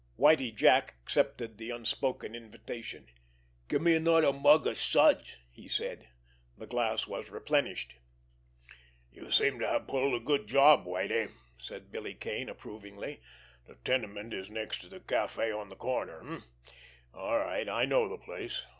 Whitie Jack accepted the unspoken invitation. "Gimme another mug of suds," he said. The glass was replenished. "You seem to have pulled a good job, Whitie," said Billy Kane approvingly. "The tenement is next to the café on the corner, eh? All right, I know the place.